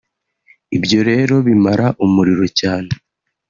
Ibyo rero bimara umuriro cyane